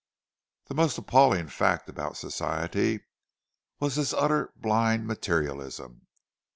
The most appalling fact about Society was this utter blind materialism.